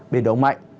biển đông mạnh